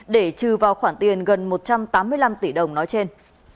để trừ vào khoản tiền gần một trăm tám mươi năm tỷ đồng nói trên